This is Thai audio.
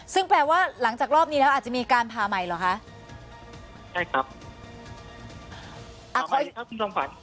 ซึ่งแปลว่าหลังจากรอบนี้แล้วอาจจะมีการผ่าใหม่เหรอคะใช่ครับอ่าขออีกครับคุณจอมฝัน